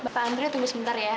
bapak andre tunggu sebentar ya